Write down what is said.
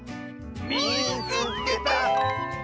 「みいつけた！」。